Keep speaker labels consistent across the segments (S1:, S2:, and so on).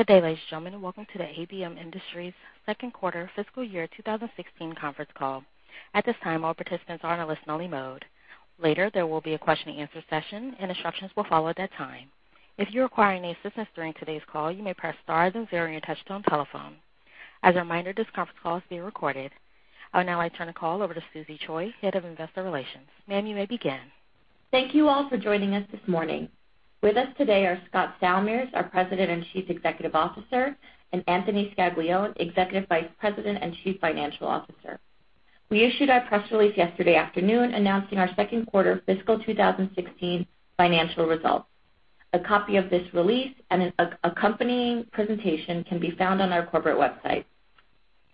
S1: Good day, ladies and gentlemen. Welcome to the ABM Industries second quarter fiscal year 2016 conference call. At this time, all participants are in a listen only mode. Later, there will be a question and answer session. Instructions will follow at that time. If you require any assistance during today's call, you may press star then zero on your touch-tone telephone. As a reminder, this conference call is being recorded. I would now like to turn the call over to Susie Choi, head of investor relations. Ma'am, you may begin.
S2: Thank you all for joining us this morning. With us today are Scott Salmirs, our President and Chief Executive Officer, and Anthony Scaglione, Executive Vice President and Chief Financial Officer. We issued our press release yesterday afternoon announcing our second quarter fiscal 2016 financial results. A copy of this release and an accompanying presentation can be found on our corporate website.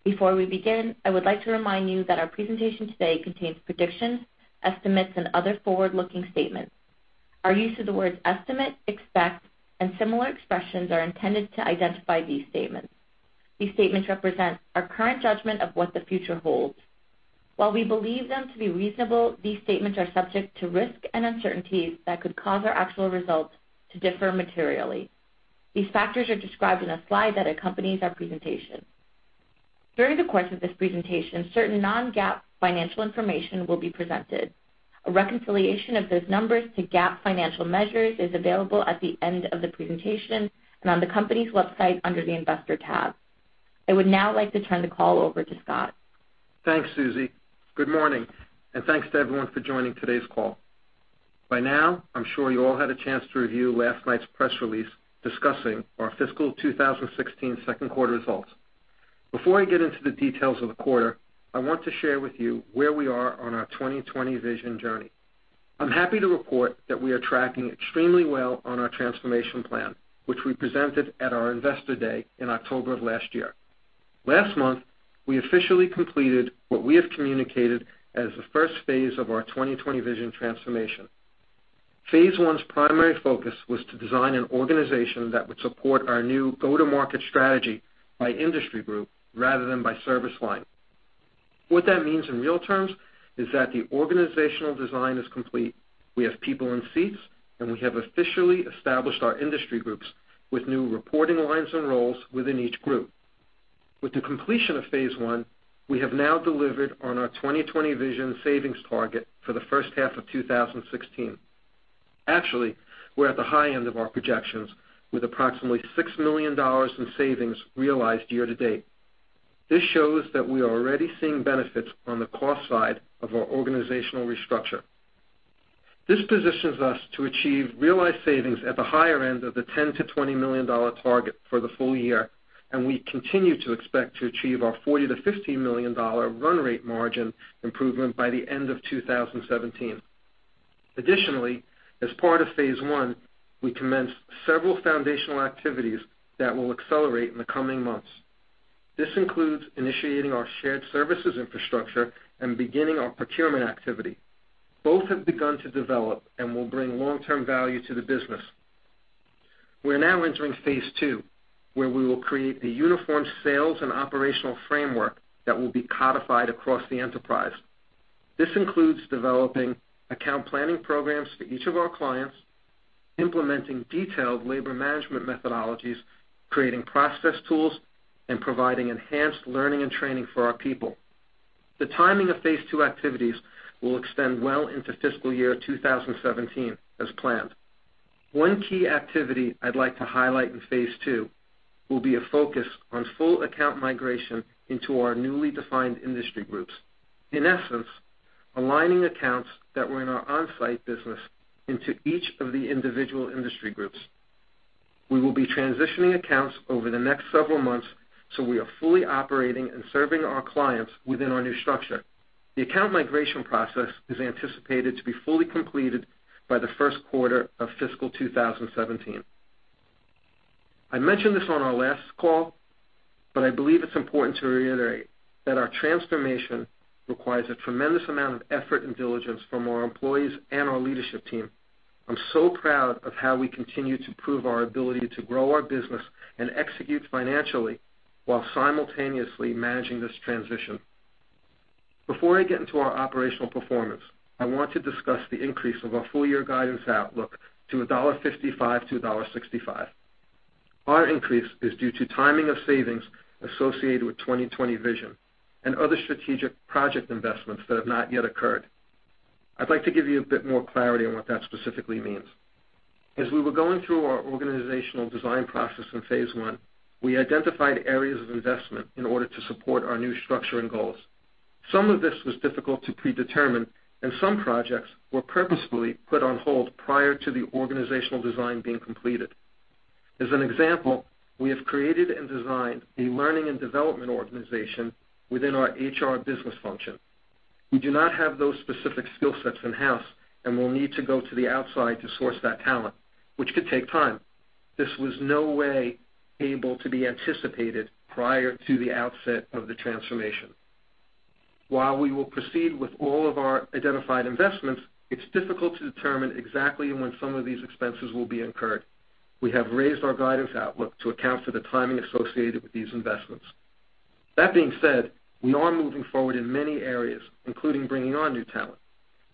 S2: Before we begin, I would like to remind you that our presentation today contains predictions, estimates, and other forward-looking statements. Our use of the words "estimate," "expect," and similar expressions are intended to identify these statements. These statements represent our current judgment of what the future holds. While we believe them to be reasonable, these statements are subject to risks and uncertainties that could cause our actual results to differ materially. These factors are described in a slide that accompanies our presentation. During the course of this presentation, certain non-GAAP financial information will be presented. A reconciliation of those numbers to GAAP financial measures is available at the end of the presentation and on the company's website under the Investor tab. I would now like to turn the call over to Scott.
S3: Thanks, Susie. Good morning. Thanks to everyone for joining today's call. By now, I'm sure you all had a chance to review last night's press release discussing our fiscal 2016 second quarter results. Before I get into the details of the quarter, I want to share with you where we are on our 2020 Vision journey. I'm happy to report that we are tracking extremely well on our transformation plan, which we presented at our Investor Day in October of last year. Last month, we officially completed what we have communicated as the first phase of our 2020 Vision transformation. Phase 1's primary focus was to design an organization that would support our new go-to-market strategy by industry group rather than by service line. What that means in real terms is that the organizational design is complete. We have people in seats, and we have officially established our industry groups with new reporting lines and roles within each group. With the completion of phase one, we have now delivered on our 2020 Vision savings target for the first half of 2016. Actually, we're at the high end of our projections, with approximately $6 million in savings realized year to date. This shows that we are already seeing benefits on the cost side of our organizational restructure. This positions us to achieve realized savings at the higher end of the $10 million-$20 million target for the full year, and we continue to expect to achieve our $40 million-$50 million run rate margin improvement by the end of 2017. Additionally, as part of phase one, we commenced several foundational activities that will accelerate in the coming months. This includes initiating our shared services infrastructure and beginning our procurement activity. Both have begun to develop and will bring long-term value to the business. We are now entering phase two, where we will create the uniform sales and operational framework that will be codified across the enterprise. This includes developing account planning programs for each of our clients, implementing detailed labor management methodologies, creating process tools, and providing enhanced learning and training for our people. The timing of phase two activities will extend well into fiscal year 2017 as planned. One key activity I'd like to highlight in phase two will be a focus on full account migration into our newly defined industry groups. In essence, aligning accounts that were in our onsite business into each of the individual industry groups. We will be transitioning accounts over the next several months so we are fully operating and serving our clients within our new structure. The account migration process is anticipated to be fully completed by the first quarter of fiscal 2017. I mentioned this on our last call, I believe it's important to reiterate that our transformation requires a tremendous amount of effort and diligence from our employees and our leadership team. I'm so proud of how we continue to prove our ability to grow our business and execute financially while simultaneously managing this transition. Before I get into our operational performance, I want to discuss the increase of our full-year guidance outlook to $1.55-$1.65. Our increase is due to timing of savings associated with 2020 Vision and other strategic project investments that have not yet occurred. I'd like to give you a bit more clarity on what that specifically means. As we were going through our organizational design process in phase one, we identified areas of investment in order to support our new structure and goals. Some of this was difficult to predetermine, some projects were purposefully put on hold prior to the organizational design being completed. As an example, we have created and designed a learning and development organization within our HR business function. We do not have those specific skill sets in-house and will need to go to the outside to source that talent, which could take time. This was no way able to be anticipated prior to the outset of the transformation. While we will proceed with all of our identified investments, it's difficult to determine exactly when some of these expenses will be incurred. We have raised our guidance outlook to account for the timing associated with these investments. That being said, we are moving forward in many areas, including bringing on new talent.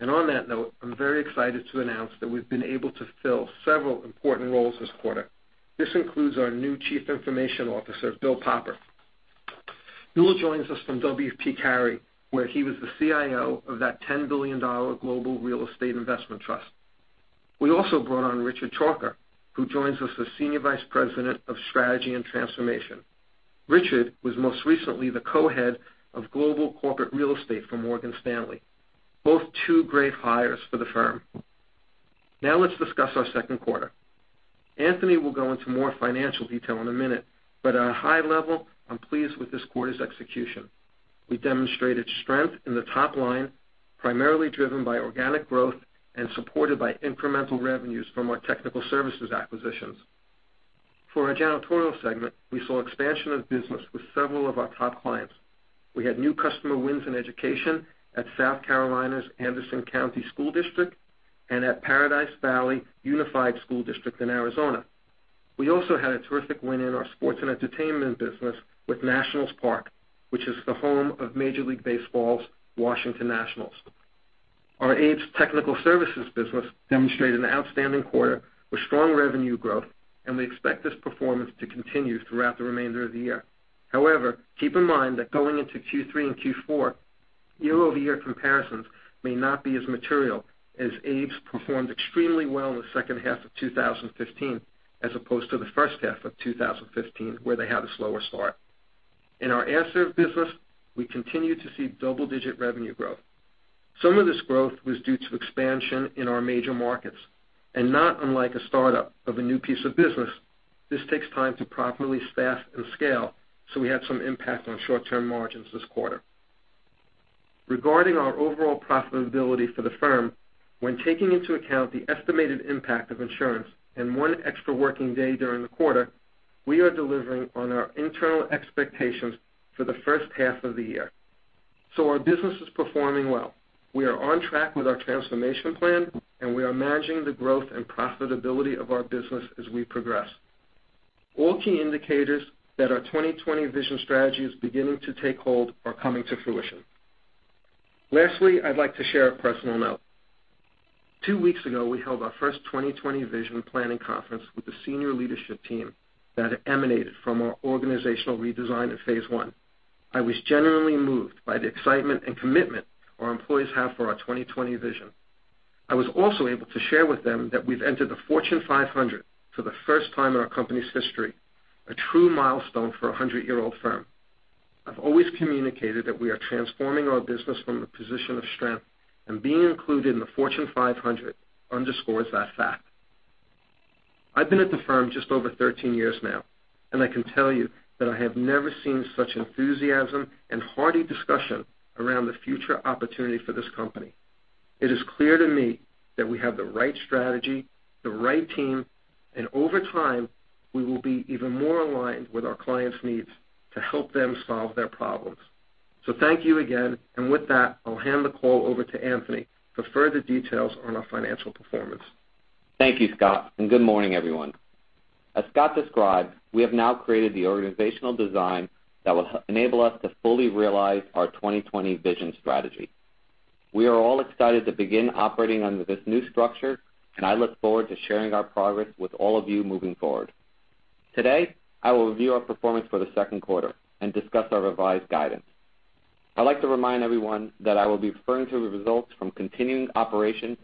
S3: On that note, I'm very excited to announce that we've been able to fill several important roles this quarter. This includes our new Chief Information Officer, Bill Popper. Bill joins us from W. P. Carey, where he was the CIO of that $10 billion global real estate investment trust. We also brought on Richard Chalker, who joins us as Senior Vice President of Strategy and Transformation. Richard was most recently the co-head of global corporate real estate for Morgan Stanley, both two great hires for the firm. Let's discuss our second quarter. Anthony will go into more financial detail in a minute, but at a high level, I'm pleased with this quarter's execution. We demonstrated strength in the top line, primarily driven by organic growth and supported by incremental revenues from our technical services acquisitions. For our janitorial segment, we saw expansion of business with several of our top clients. We had new customer wins in education at South Carolina's Anderson County School District and at Paradise Valley Unified School District in Arizona. We also had a terrific win in our sports and entertainment business with Nationals Park, which is the home of Major League Baseball's Washington Nationals. Our ABES technical services business demonstrated an outstanding quarter with strong revenue growth. We expect this performance to continue throughout the remainder of the year. Keep in mind that going into Q3 and Q4, year-over-year comparisons may not be as material, as ABES performed extremely well in the second half of 2015 as opposed to the first half of 2015, where they had a slower start. In our ABES business, we continue to see double-digit revenue growth. Some of this growth was due to expansion in our major markets. Not unlike a startup of a new piece of business, this takes time to properly staff and scale, so we had some impact on short-term margins this quarter. Regarding our overall profitability for the firm, when taking into account the estimated impact of insurance and one extra working day during the quarter, we are delivering on our internal expectations for the first half of the year. Our business is performing well. We are on track with our transformation plan. We are managing the growth and profitability of our business as we progress. All key indicators that our 2020 Vision strategy is beginning to take hold are coming to fruition. Lastly, I'd like to share a personal note. Two weeks ago, we held our first 2020 Vision planning conference with the senior leadership team that emanated from our organizational redesign in phase one. I was genuinely moved by the excitement and commitment our employees have for our 2020 Vision. I was also able to share with them that we've entered the Fortune 500 for the first time in our company's history, a true milestone for a 100-year-old firm. I've always communicated that we are transforming our business from a position of strength. Being included in the Fortune 500 underscores that fact. I've been at the firm just over 13 years now, and I can tell you that I have never seen such enthusiasm and hearty discussion around the future opportunity for this company. It is clear to me that we have the right strategy, the right team, and over time, we will be even more aligned with our clients' needs to help them solve their problems. Thank you again. With that, I'll hand the call over to Anthony for further details on our financial performance.
S4: Thank you, Scott, and good morning, everyone. As Scott described, we have now created the organizational design that will enable us to fully realize our 2020 Vision strategy. We are all excited to begin operating under this new structure, and I look forward to sharing our progress with all of you moving forward. Today, I will review our performance for the second quarter and discuss our revised guidance. I'd like to remind everyone that I will be referring to the results from continuing operations,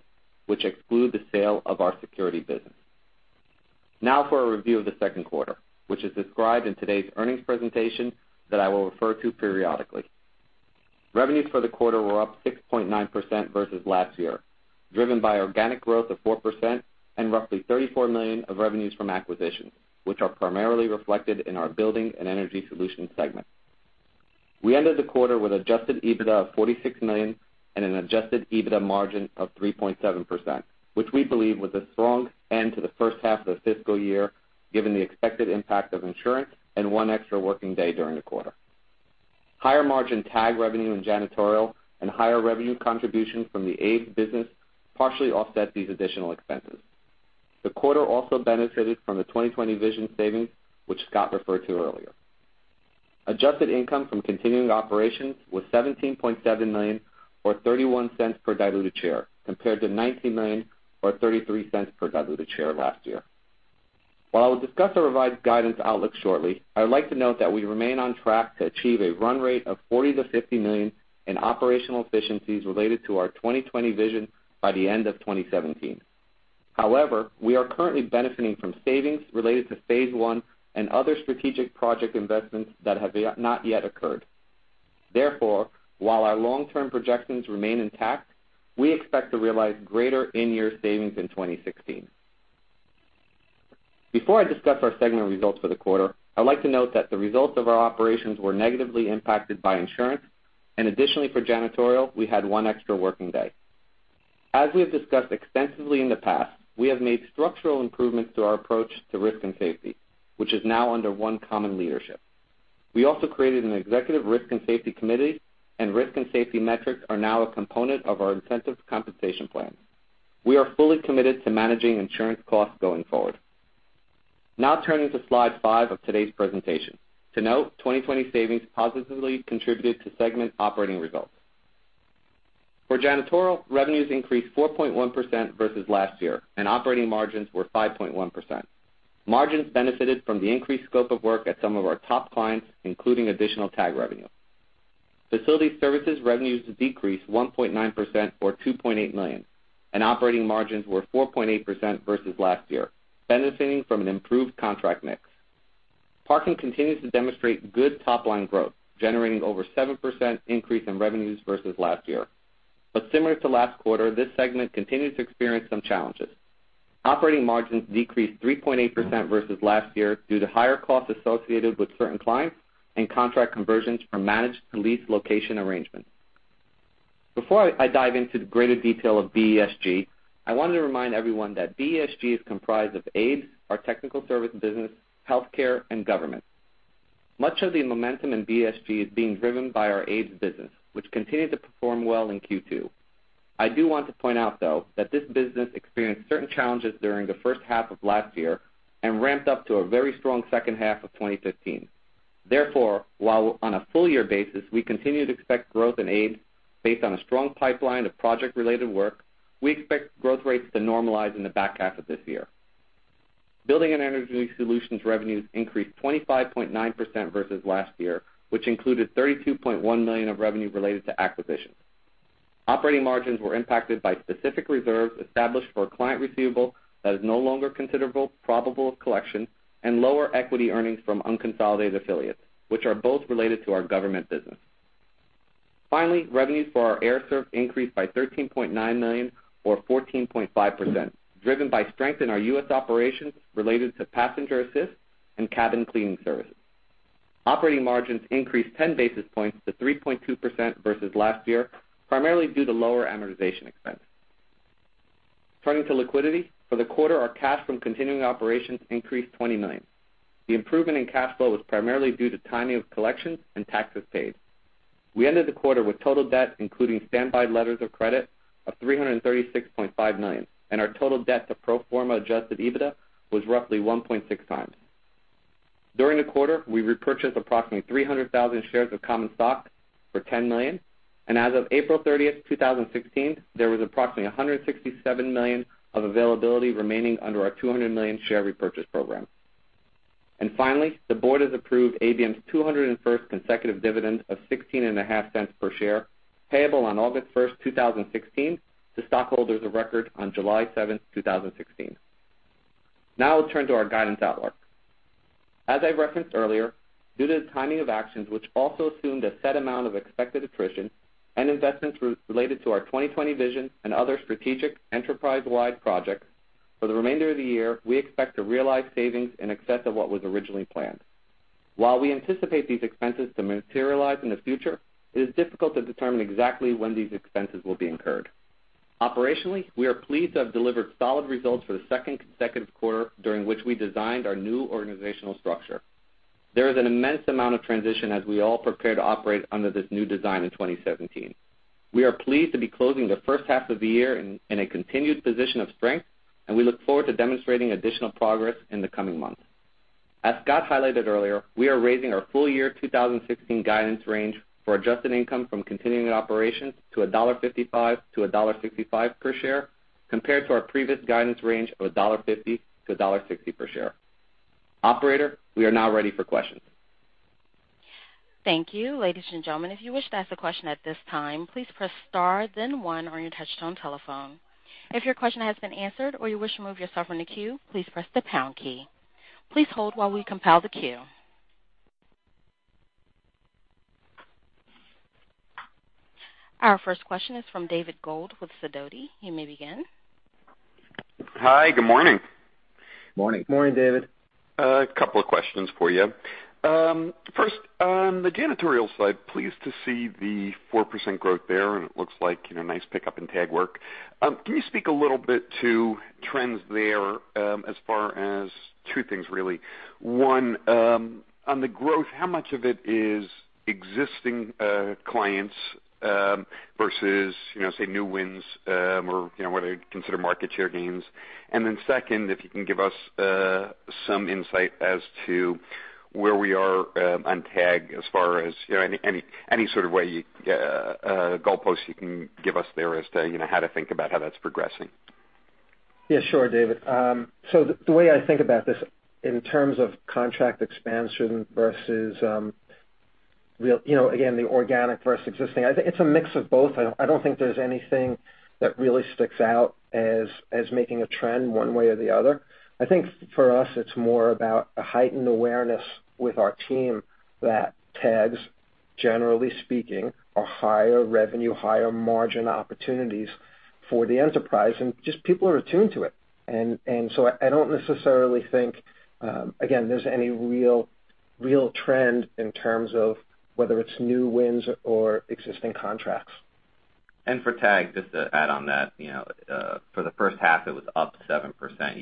S4: which exclude the sale of our security business. Now for a review of the second quarter, which is described in today's earnings presentation that I will refer to periodically. Revenues for the quarter were up 6.9% versus last year, driven by organic growth of 4% and roughly $34 million of revenues from acquisitions, which are primarily reflected in our Building & Energy Solutions segment. We ended the quarter with adjusted EBITDA of $46 million and an adjusted EBITDA margin of 3.7%, which we believe was a strong end to the first half of the fiscal year, given the expected impact of insurance and one extra working day during the quarter. Higher margin TAG revenue in janitorial and higher revenue contribution from the ABES business partially offset these additional expenses. The quarter also benefited from the 2020 Vision savings, which Scott referred to earlier. Adjusted income from continuing operations was $17.7 million or $0.31 per diluted share, compared to $19 million or $0.33 per diluted share last year. While I will discuss our revised guidance outlook shortly, I would like to note that we remain on track to achieve a run rate of $40 million-$50 million in operational efficiencies related to our 2020 Vision by the end of 2017. However, we are currently benefiting from savings related to phase 1 and other strategic project investments that have not yet occurred. Therefore, while our long-term projections remain intact, we expect to realize greater in-year savings in 2016. Before I discuss our segment results for the quarter, I'd like to note that the results of our operations were negatively impacted by insurance. Additionally, for janitorial, we had one extra working day. As we have discussed extensively in the past, we have made structural improvements to our approach to risk and safety, which is now under one common leadership. We also created an executive risk and safety committee, and risk and safety metrics are now a component of our incentive compensation plan. We are fully committed to managing insurance costs going forward. Now turning to slide five of today's presentation. To note, 2020 Vision savings positively contributed to segment operating results. For janitorial, revenues increased 4.1% versus last year, and operating margins were 5.1%. Margins benefited from the increased scope of work at some of our top clients, including additional TAG revenue. Facility services revenues decreased 1.9%, or $2.8 million, and operating margins were 4.8% versus last year, benefiting from an improved contract mix. Parking continues to demonstrate good top-line growth, generating over 7% increase in revenues versus last year. Similar to last quarter, this segment continued to experience some challenges. Operating margins decreased 3.8% versus last year due to higher costs associated with certain clients and contract conversions from managed to leased location arrangements. Before I dive into the greater detail of BESG, I want to remind everyone that BESG is comprised of ABES, our technical service business, healthcare, and government. Much of the momentum in BESG is being driven by our ABES business, which continued to perform well in Q2. I do want to point out, though, that this business experienced certain challenges during the first half of last year and ramped up to a very strong second half of 2015. Therefore, while on a full year basis, we continue to expect growth in ABES based on a strong pipeline of project-related work, we expect growth rates to normalize in the back half of this year. Building and Energy Solutions revenues increased 25.9% versus last year, which included $32.1 million of revenue related to acquisitions. Operating margins were impacted by specific reserves established for a client receivable that is no longer considered probable of collection, and lower equity earnings from unconsolidated affiliates, which are both related to our government business. Finally, revenues for our Air Serv increased by $13.9 million, or 14.5%, driven by strength in our U.S. operations related to passenger assist and cabin cleaning services. Operating margins increased 10 basis points to 3.2% versus last year, primarily due to lower amortization expense. Turning to liquidity, for the quarter, our cash from continuing operations increased $20 million. The improvement in cash flow was primarily due to timing of collections and taxes paid. We ended the quarter with total debt, including standby letters of credit, of $336.5 million. Our total debt to pro forma adjusted EBITDA was roughly 1.6 times. During the quarter, we repurchased approximately 300,000 shares of common stock for $10 million. As of April 30th, 2016, there was approximately $167 million of availability remaining under our $200 million share repurchase program. Finally, the board has approved ABM's 201st consecutive dividend of $0.165 per share, payable on August 1st, 2016, to stockholders of record on July 7th, 2016. Now I'll turn to our guidance outlook. As I referenced earlier, due to the timing of actions which also assumed a set amount of expected attrition and investments related to our 2020 Vision and other strategic enterprise-wide projects, for the remainder of the year, we expect to realize savings in excess of what was originally planned. While we anticipate these expenses to materialize in the future, it is difficult to determine exactly when these expenses will be incurred. Operationally, we are pleased to have delivered solid results for the second consecutive quarter during which we designed our new organizational structure. There is an immense amount of transition as we all prepare to operate under this new design in 2017. We are pleased to be closing the first half of the year in a continued position of strength, and we look forward to demonstrating additional progress in the coming months. As Scott highlighted earlier, we are raising our full year 2016 guidance range for adjusted income from continuing operations to $1.55-$1.65 per share, compared to our previous guidance range of $1.50-$1.60 per share. Operator, we are now ready for questions.
S1: Thank you. Ladies and gentlemen, if you wish to ask a question at this time, please press star then one on your touchtone telephone. If your question has been answered or you wish to remove yourself from the queue, please press the pound key. Please hold while we compile the queue. Our first question is from David Gold with Sidoti. You may begin.
S5: Hi. Good morning.
S4: Morning.
S3: Morning, David.
S5: A couple of questions for you. First, on the janitorial side, pleased to see the 4% growth there, and it looks like a nice pickup in TAG work. Can you speak a little bit to trends there as far as two things, really. One, on the growth, how much of it is existing clients versus say, new wins or what I'd consider market share gains? Second, if you can give us some insight as to where we are on TAG as far as any sort of way, goal post you can give us there as to how to think about how that's progressing.
S3: Yeah, sure, David. The way I think about this in terms of contract expansion versus, again, the organic versus existing, I think it's a mix of both. I don't think there's anything that really sticks out as making a trend one way or the other. I think for us, it's more about a heightened awareness with our team that TAGs, generally speaking, are higher revenue, higher margin opportunities for the enterprise, and just people are attuned to it. I don't necessarily think, again, there's any real trend in terms of whether it's new wins or existing contracts.
S4: For TAGs, just to add on that, for the first half, it was up 7%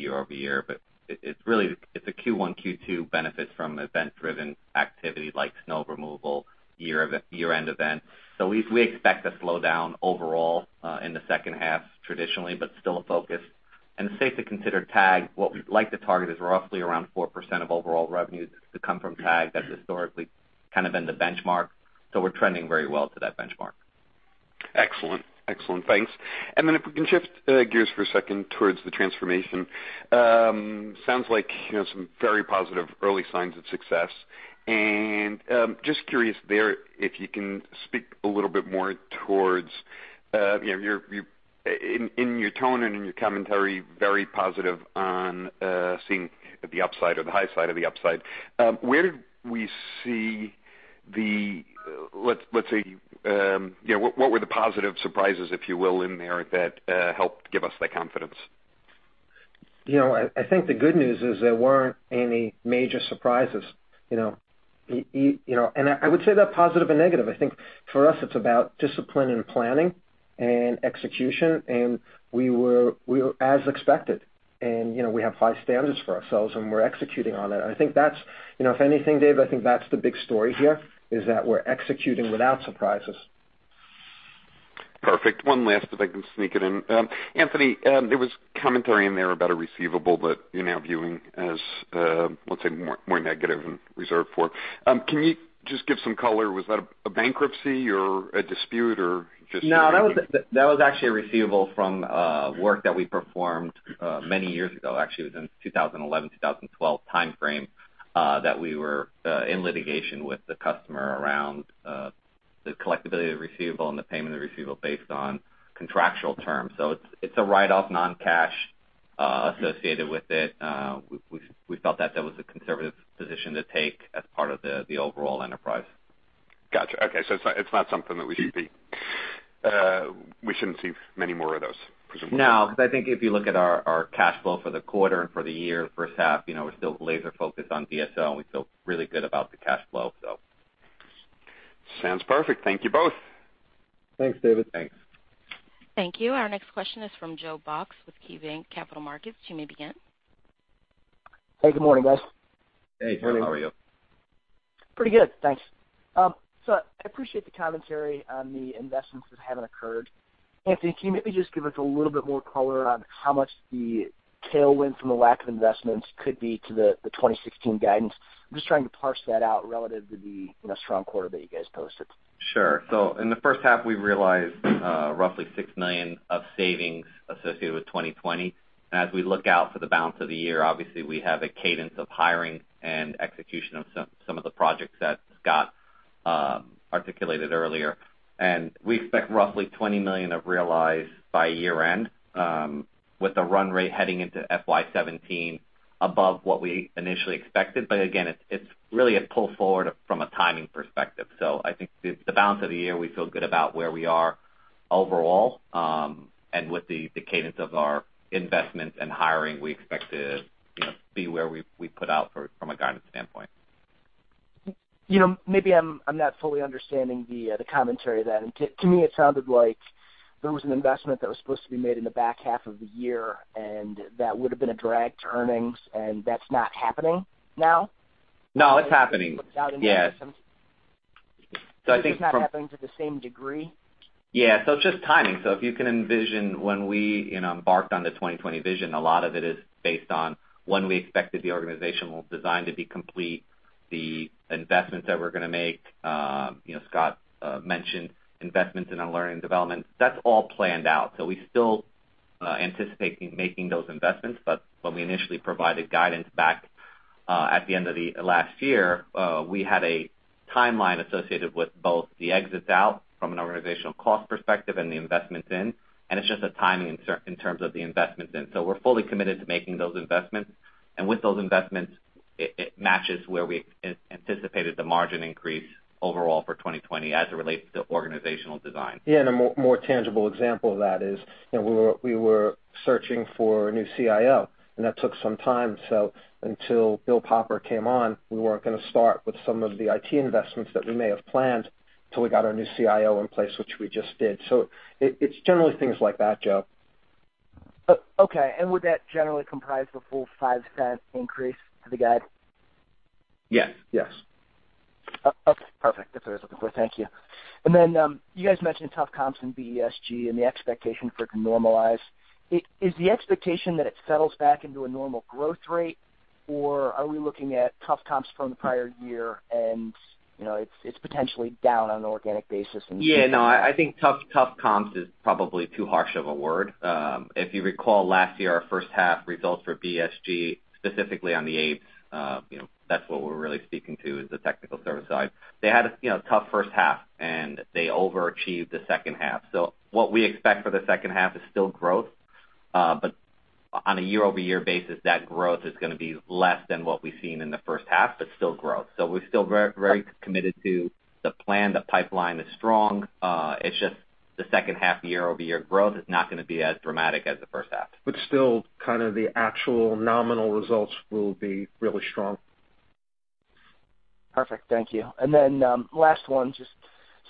S4: year-over-year, but it's a Q1, Q2 benefit from event-driven activity like snow removal, year-end events. We expect to slow down overall in the second half traditionally, but still a focus. It's safe to consider TAG. What we'd like to target is roughly around 4% of overall revenues to come from TAG. That's historically kind of been the benchmark. We're trending very well to that benchmark.
S5: Excellent. Thanks. If we can shift gears for a second towards the transformation. Sounds like some very positive early signs of success. Just curious there, if you can speak a little bit more towards in your tone and in your commentary, very positive on seeing the upside or the high side of the upside. Where did we see the, let's say, what were the positive surprises, if you will, in there that helped give us that confidence?
S3: I think the good news is there weren't any major surprises. I would say that positive and negative, I think for us it's about discipline and planning and execution, and we were as expected. We have high standards for ourselves, and we're executing on it. If anything, Dave, I think that's the big story here, is that we're executing without surprises.
S5: Perfect. One last, if I can sneak it in. Anthony, there was commentary in there about a receivable that you're now viewing as, let's say, more negative and reserved for. Can you just give some color? Was that a bankruptcy or a dispute?
S4: No, that was actually a receivable from work that we performed many years ago. Actually, it was in 2011, 2012 timeframe that we were in litigation with the customer around the collectibility of the receivable and the payment of the receivable based on contractual terms. It's a write-off, non-cash associated with it. We felt that that was a conservative position to take as part of the overall enterprise.
S5: Got you. Okay. It's not something that we shouldn't see many more of those, presumably.
S4: Because I think if you look at our cash flow for the quarter and for the year, first half, we're still laser-focused on DSO, and we feel really good about the cash flow.
S5: Sounds perfect. Thank you both.
S3: Thanks, David.
S4: Thanks.
S1: Thank you. Our next question is from Joe Box with KeyBanc Capital Markets. You may begin.
S6: Hey, good morning, guys.
S4: Hey, Joe. How are you?
S6: Pretty good, thanks. I appreciate the commentary on the investments that haven't occurred. Anthony, can you maybe just give us a little bit more color on how much the tailwind from the lack of investments could be to the 2016 guidance? I'm just trying to parse that out relative to the strong quarter that you guys posted.
S4: Sure. In the first half, we realized roughly $6 million of savings associated with 2020 Vision. As we look out for the balance of the year, obviously, we have a cadence of hiring and execution of some of the projects that Scott Salmirs articulated earlier. We expect roughly $20 million of realized by year-end with the run rate heading into FY 2017 above what we initially expected. Again, it's really a pull forward from a timing perspective. I think the balance of the year, we feel good about where we are overall. With the cadence of our investments and hiring, we expect to be where we put out from a guidance standpoint.
S6: Maybe I'm not fully understanding the commentary then. To me, it sounded like there was an investment that was supposed to be made in the back half of the year, and that would've been a drag to earnings, and that's not happening now?
S4: No, it's happening. Yeah. I think.
S6: It's just not happening to the same degree?
S4: Yeah. It's just timing. If you can envision when we embarked on the 2020 Vision, a lot of it is based on when we expected the organizational design to be complete, the investments that we're going to make. Scott mentioned investments in our learning development. That's all planned out. We still anticipate making those investments, when we initially provided guidance back at the end of the last year, we had a timeline associated with both the exits out from an organizational cost perspective and the investments in, and it's just a timing in terms of the investments in. We're fully committed to making those investments. With those investments, it matches where we anticipated the margin increase overall for 2020 as it relates to organizational design.
S3: Yeah, a more tangible example of that is we were searching for a new CIO. That took some time. Until Bill Popper came on, we weren't going to start with some of the IT investments that we may have planned till we got our new CIO in place, which we just did. It's generally things like that, Joe.
S6: Okay. Would that generally comprise the full $0.05 increase to the guide?
S4: Yes.
S3: Yes.
S6: Okay, perfect. That's what I was looking for. Thank you. Then, you guys mentioned tough comps in BESG and the expectation for it to normalize. Is the expectation that it settles back into a normal growth rate, or are we looking at tough comps from the prior year and it's potentially down on an organic basis in the future?
S4: Yeah, no. I think tough comps is probably too harsh of a word. If you recall last year, our first half results for BESG, specifically on the ABES, that's what we're really speaking to is the technical service side. They had a tough first half and they overachieved the second half. What we expect for the second half is still growth. On a year-over-year basis, that growth is going to be less than what we've seen in the first half, but still growth. We're still very committed to the plan. The pipeline is strong. It's just the second half year-over-year growth is not going to be as dramatic as the first half.
S3: Still kind of the actual nominal results will be really strong.
S6: Perfect. Thank you. Last one, just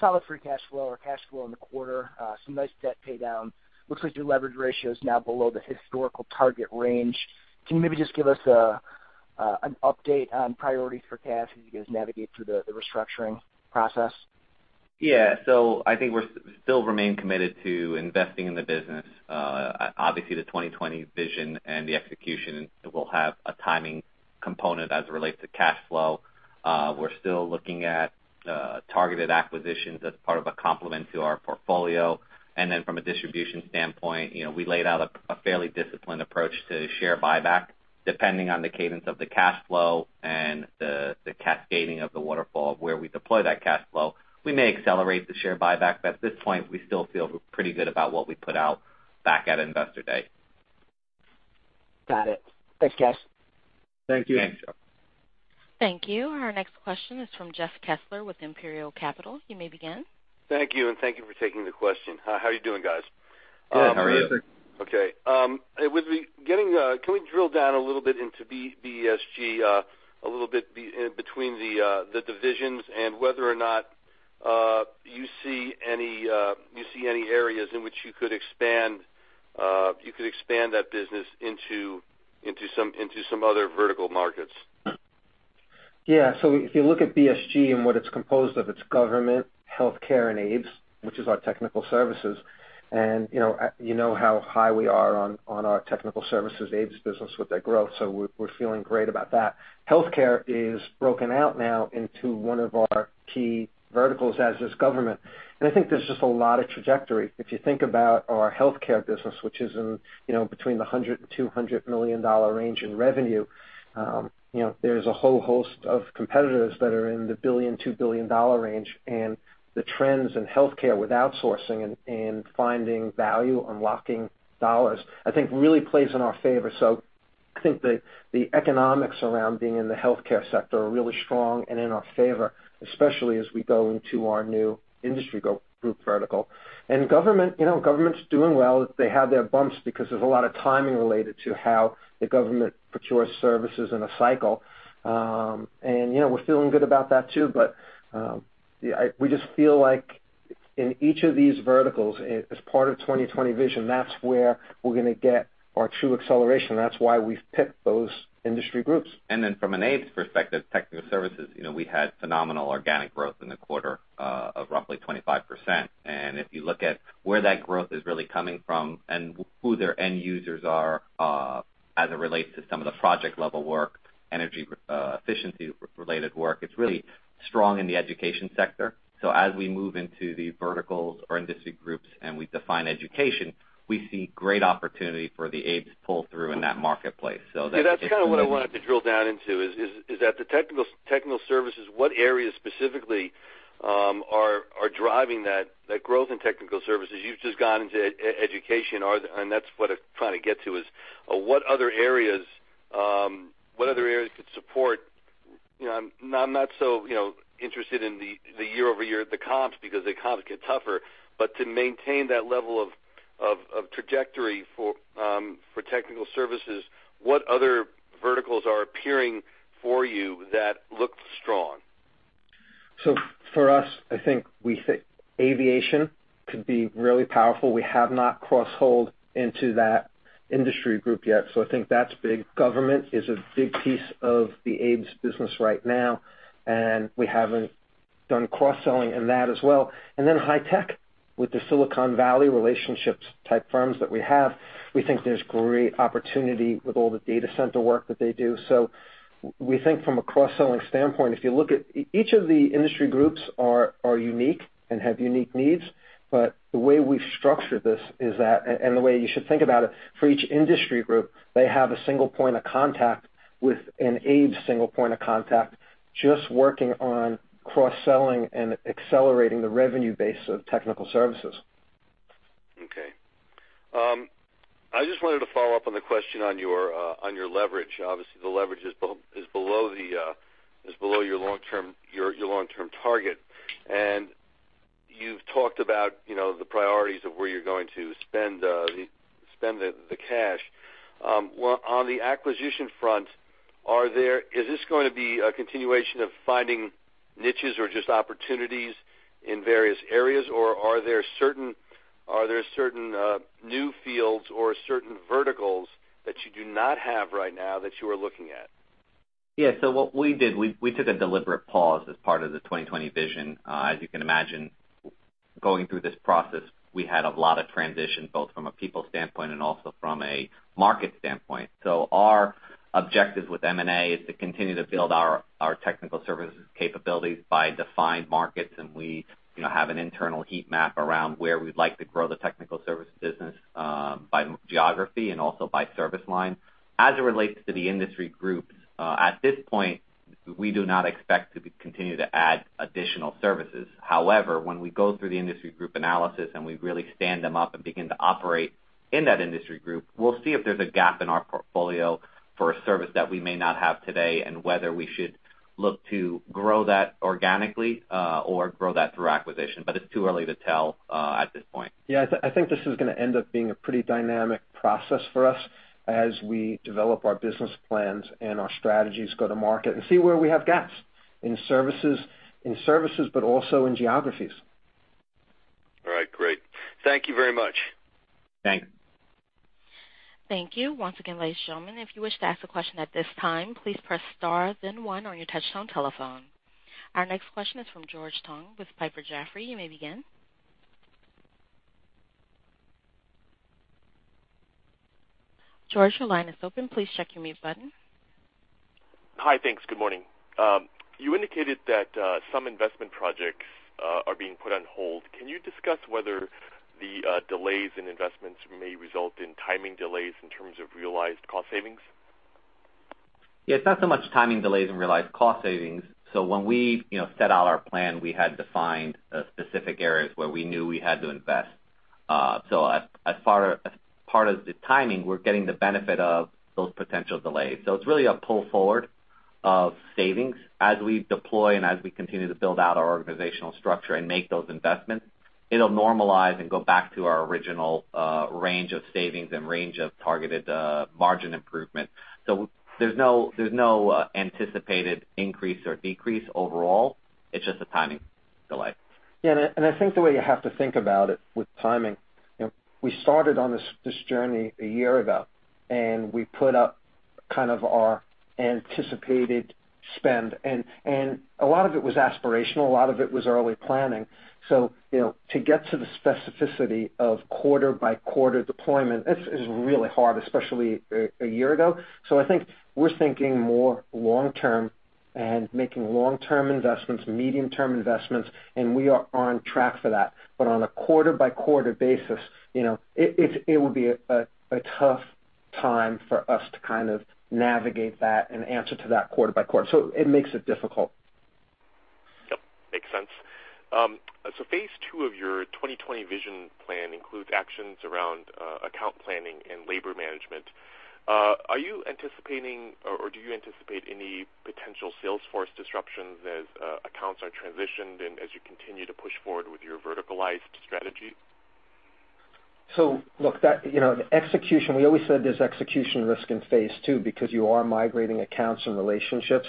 S6: solid free cash flow or cash flow in the quarter. Some nice debt pay down. Looks like your leverage ratio is now below the historical target range. Can you maybe just give us an update on priorities for cash as you guys navigate through the restructuring process?
S4: Yeah. I think we still remain committed to investing in the business. Obviously, the 2020 Vision and the execution will have a timing component as it relates to cash flow. We're still looking at targeted acquisitions as part of a complement to our portfolio. From a distribution standpoint, we laid out a fairly disciplined approach to share buyback, depending on the cadence of the cash flow and the cascading of the waterfall of where we deploy that cash flow. We may accelerate the share buyback, but at this point, we still feel pretty good about what we put out back at Investor Day.
S6: Got it. Thanks, guys.
S3: Thank you.
S4: Thanks, Joe.
S1: Thank you. Our next question is from Jeffrey Kessler with Imperial Capital. You may begin.
S7: Thank you. Thank you for taking the question. How are you doing, guys?
S4: Good. How are you?
S3: Good.
S7: Okay. Can we drill down a little bit into BESG, a little bit between the divisions and whether or not you see any areas in which you could expand that business into some other vertical markets?
S3: Yeah. If you look at BESG and what it's composed of, it's government, healthcare, and ABES, which is our technical services. You know how high we are on our technical services ABES business with that growth. We're feeling great about that. Healthcare is broken out now into one of our key verticals, as is government. I think there's just a lot of trajectory. If you think about our healthcare business, which is in between the $100 million and $200 million range in revenue, there's a whole host of competitors that are in the $1 billion-$2 billion range, and the trends in healthcare with outsourcing and finding value, unlocking dollars, I think really plays in our favor. I think the economics around being in the healthcare sector are really strong and in our favor, especially as we go into our new industry group vertical. Government's doing well. They have their bumps because there's a lot of timing related to how the government procures services in a cycle. We're feeling good about that, too. We just feel like in each of these verticals, as part of 2020 Vision, that's where we're going to get our true acceleration. That's why we've picked those industry groups.
S4: From an ABES perspective, technical services, we had phenomenal organic growth in the quarter of roughly 25%. If you look at where that growth is really coming from and who their end users are as it relates to some of the project level work, energy efficiency related work, it's really strong in the education sector. As we move into the verticals or industry groups and we define education, we see great opportunity for the ABES pull through in that marketplace.
S7: That's kind of what I wanted to drill down into, is that the technical services, what areas specifically are driving that growth in technical services? You've just gone into education, and that's what I'm trying to get to is, what other areas could support? I'm not so interested in the year-over-year, the comps, because the comps get tougher. To maintain that level of trajectory for technical services, what other verticals are appearing for you that look strong?
S3: For us, I think aviation could be really powerful. We have not cross-sold into that industry group yet. I think that's big. Government is a big piece of the ABES business right now, and we haven't done cross-selling in that as well. High tech with the Silicon Valley relationships type firms that we have, we think there's great opportunity with all the data center work that they do. We think from a cross-selling standpoint, if you look at each of the industry groups are unique and have unique needs. The way we've structured this is that, and the way you should think about it, for each industry group, they have a single point of contact with an ABES single point of contact, just working on cross-selling and accelerating the revenue base of technical services.
S7: Okay. I just wanted to follow up on the question on your leverage. Obviously, the leverage is below your long-term target. You've talked about the priorities of where you're going to spend the cash. On the acquisition front, is this going to be a continuation of finding niches or just opportunities in various areas? Are there certain new fields or certain verticals that you do not have right now that you are looking at?
S4: Yeah. What we did, we took a deliberate pause as part of the 2020 Vision. As you can imagine, going through this process, we had a lot of transition, both from a people standpoint and also from a market standpoint. Our objective with M&A is to continue to build our technical services capabilities by defined markets, and we have an internal heat map around where we'd like to grow the technical services business by geography and also by service line. As it relates to the industry groups, at this point, we do not expect to continue to add additional services. However, when we go through the industry group analysis and we really stand them up and begin to operate in that industry group, we will see if there's a gap in our portfolio for a service that we may not have today and whether we should look to grow that organically or grow that through acquisition. It's too early to tell at this point.
S3: Yeah, I think this is going to end up being a pretty dynamic process for us as we develop our business plans and our strategies go to market and see where we have gaps in services, but also in geographies.
S7: Great. Thank you very much.
S4: Thanks.
S1: Thank you. Once again, ladies and gentlemen, if you wish to ask a question at this time, please press star then one on your touchtone telephone. Our next question is from George Tong with Piper Jaffray. You may begin. George, your line is open. Please check your mute button.
S8: Hi. Thanks. Good morning. You indicated that some investment projects are being put on hold. Can you discuss whether the delays in investments may result in timing delays in terms of realized cost savings?
S4: Yeah. It's not so much timing delays and realized cost savings. When we set out our plan, we had defined specific areas where we knew we had to invest. As part of the timing, we're getting the benefit of those potential delays. It's really a pull forward of savings as we deploy and as we continue to build out our organizational structure and make those investments. It'll normalize and go back to our original range of savings and range of targeted margin improvement. There's no anticipated increase or decrease overall. It's just a timing delay.
S3: Yeah, I think the way you have to think about it with timing, we started on this journey a year ago, we put up kind of our anticipated spend, a lot of it was aspirational. A lot of it was early planning. To get to the specificity of quarter-by-quarter deployment, it's really hard, especially a year ago. I think we're thinking more long term and making long-term investments, medium-term investments, and we are on track for that. On a quarter-by-quarter basis, it would be a tough time for us to kind of navigate that and answer to that quarter by quarter. It makes it difficult.
S8: Yep, makes sense. Phase two of your 2020 Vision plan includes actions around account planning and labor management. Are you anticipating or do you anticipate any potential sales force disruptions as accounts are transitioned and as you continue to push forward with your verticalized strategy?
S3: Look, we always said there's execution risk in phase two because you are migrating accounts and relationships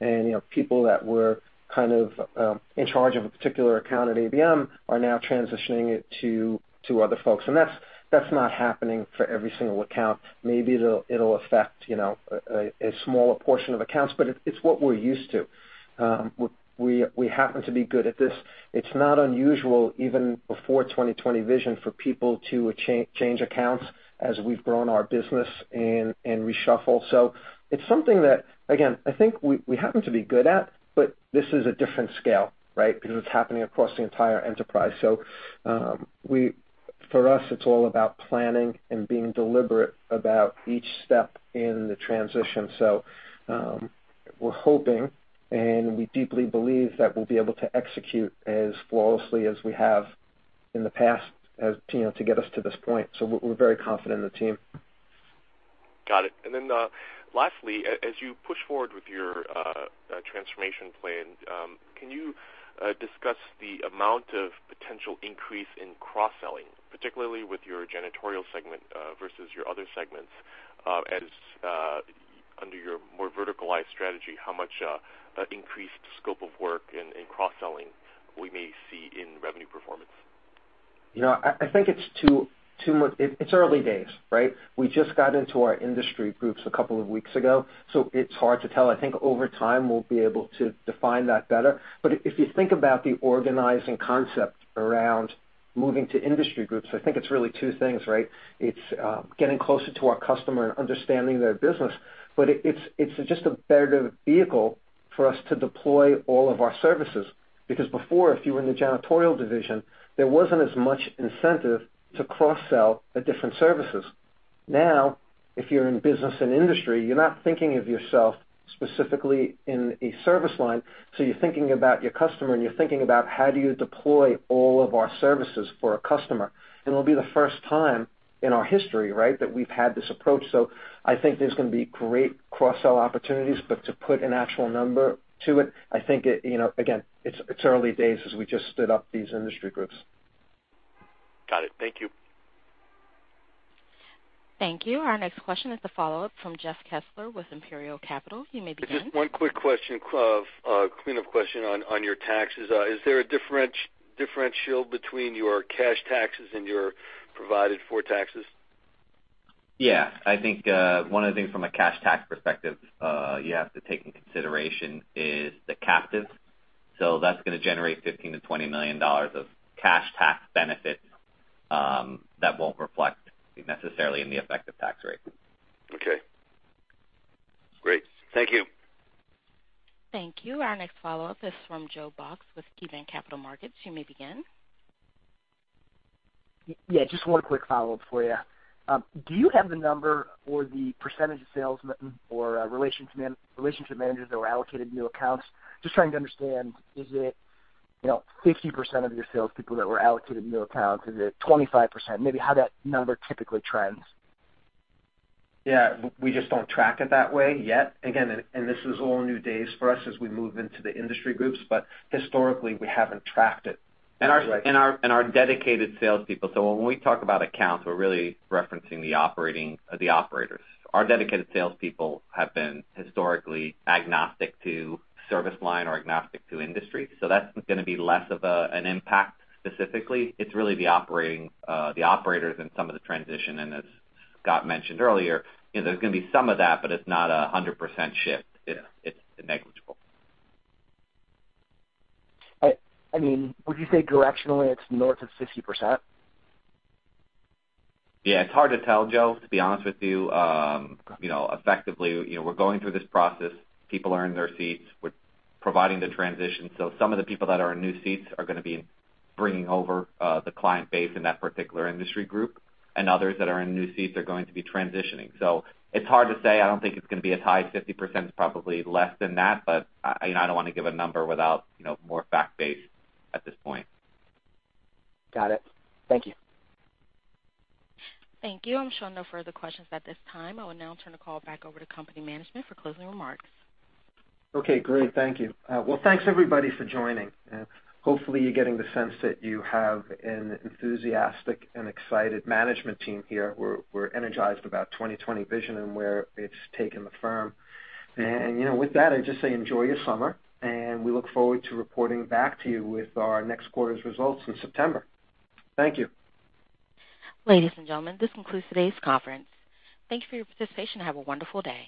S3: and people that were kind of in charge of a particular account at ABM are now transitioning it to other folks, and that's not happening for every single account. Maybe it'll affect a smaller portion of accounts, but it's what we're used to. We happen to be good at this. It's not unusual, even before 2020 Vision, for people to change accounts as we've grown our business and reshuffle. It's something that, again, I think we happen to be good at, but this is a different scale, right? Because it's happening across the entire enterprise. For us, it's all about planning and being deliberate about each step in the transition. We're hoping, and we deeply believe that we'll be able to execute as flawlessly as we have in the past to get us to this point. We're very confident in the team.
S8: Got it. Then lastly, as you push forward with your transformation plan, can you discuss the amount of potential increase in cross-selling, particularly with your janitorial segment versus your other segments under your more verticalized strategy, how much increased scope of work and cross-selling we may see in revenue performance?
S3: I think it's early days, right? We just got into our industry groups a couple of weeks ago, so it's hard to tell. I think over time, we'll be able to define that better. If you think about the organizing concept around moving to industry groups, I think it's really two things, right? It's getting closer to our customer and understanding their business. It's just a better vehicle for us to deploy all of our services because before, if you were in the janitorial division, there wasn't as much incentive to cross-sell the different services. Now, if you're in business and industry, you're not thinking of yourself specifically in a service line. You're thinking about your customer, and you're thinking about how do you deploy all of our services for a customer. It'll be the first time in our history, right, that we've had this approach. I think there's going to be great cross-sell opportunities, but to put an actual number to it, I think, again, it's early days as we just stood up these industry groups.
S8: Got it. Thank you.
S1: Thank you. Our next question is the follow-up from Jeffrey Kessler with Imperial Capital. You may begin.
S7: Just one quick question, cleanup question on your taxes. Is there a differential between your cash taxes and your provided for taxes?
S4: Yeah. I think one of the things from a cash tax perspective you have to take into consideration is the captive. That's going to generate $15 million-$20 million of cash tax benefits that won't reflect necessarily in the effective tax rate.
S7: Okay, great. Thank you.
S1: Thank you. Our next follow-up is from Joe Box with KeyBanc Capital Markets. You may begin.
S6: Yeah, just one quick follow-up for you. Do you have the number or the percentage of salesmen or relationship managers that were allocated new accounts? Just trying to understand, is it 50% of your salespeople that were allocated new accounts? Is it 25%? Maybe how that number typically trends.
S3: Yeah. We just don't track it that way yet. Again, this is all new days for us as we move into the industry groups, historically, we haven't tracked it.
S4: Our dedicated salespeople. When we talk about accounts, we're really referencing the operators. Our dedicated salespeople have been historically agnostic to service line or agnostic to industry. That's going to be less of an impact specifically. It's really the operators and some of the transition, as Scott mentioned earlier, there's going to be some of that, it's not 100% shift. It's negligible.
S6: I mean, would you say directionally it's north of 60%?
S4: Yeah. It's hard to tell, Joe, to be honest with you. Effectively, we're going through this process. People are in their seats. We're providing the transition. Some of the people that are in new seats are going to be bringing over the client base in that particular industry group, and others that are in new seats are going to be transitioning. It's hard to say. I don't think it's going to be as high as 50%. It's probably less than that, but I don't want to give a number without more fact-based at this point.
S6: Got it. Thank you.
S1: Thank you. I'm showing no further questions at this time. I will now turn the call back over to company management for closing remarks.
S3: Okay, great. Thank you. Thanks everybody for joining. Hopefully, you're getting the sense that you have an enthusiastic and excited management team here. We're energized about 2020 Vision and where it's taken the firm. With that, I just say enjoy your summer, and we look forward to reporting back to you with our next quarter's results in September. Thank you.
S1: Ladies and gentlemen, this concludes today's conference. Thank you for your participation and have a wonderful day.